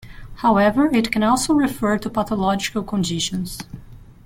However, it can also refer to pathological conditions.